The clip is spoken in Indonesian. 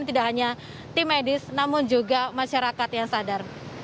tidak hanya tim medis namun juga masyarakat yang sadar